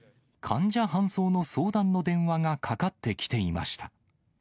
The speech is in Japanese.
患者搬送の相談の電話がかかってきていました。